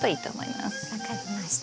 分かりました。